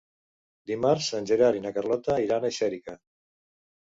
Dimarts en Gerard i na Carlota iran a Xèrica.